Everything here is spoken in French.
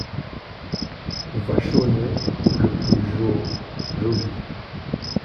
Vachonnet Le plus jo … joli !